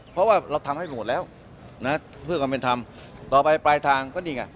เพราะว่าเราทำให้หมดแล้วนะเพื่อความเป็นธรรมต่อไปปลายทางก็นี่ไง